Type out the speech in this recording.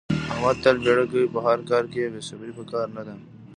احمد تل بیړه کوي. په هر کار کې بې صبرې په کار نه ده.